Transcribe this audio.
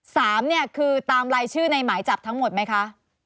สามเนี่ยคือตามรายชื่อในหมายจับทั้งหมดไหมคะ